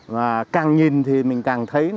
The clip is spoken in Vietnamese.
và càng nhìn thì mình càng thấy